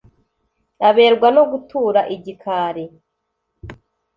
Aberwa no gutura igikari